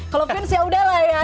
kalau vince ya udah lah ya